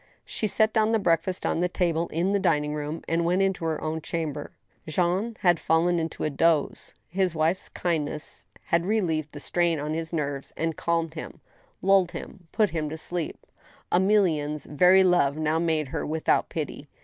She set down the breakfast on the table in the dining room, and went into her own chamber. ^ Jean had fallen into a doze. His wife's kindness had relieved^ the strain on his nerves, had calmed him, lulled him, put him to sleep. Emilienne's very love now made her without pity.